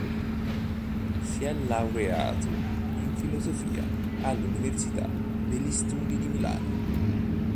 Si è laureato in Filosofia all'Università degli Studi di Milano.